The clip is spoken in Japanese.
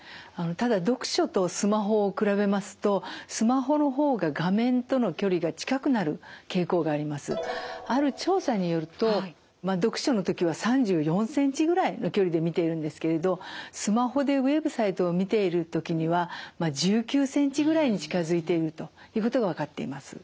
ただ読書とスマホを比べますとある調査によると読書の時は３４センチぐらいの距離で見ているんですけれどスマホでウェブサイトを見ている時には１９センチぐらいに近づいているということが分かっています。